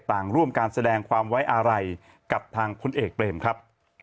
ต่างร่วมการแสดงความไว้อาลัยกับทางพลเอกเปรมครับ